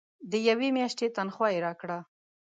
د یوې میاشتي تنخواه یې راکړه.